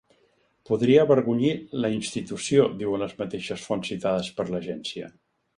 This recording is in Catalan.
“Podria avergonyir la institució”, diuen les mateixes fonts citades per l’agència.